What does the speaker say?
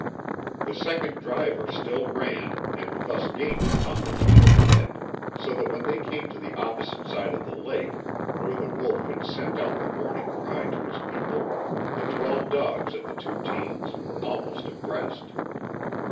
The second driver still ran, and thus gained upon the team ahead, so that when they came to the opposite side of the lake, where the wolf had sent out the warning cry to his people, the twelve dogs of the two teams were almost abreast.